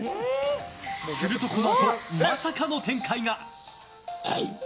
すると、このあとまさかの展開が！